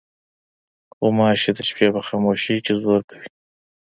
غوماشې د شپې په خاموشۍ کې زور کوي.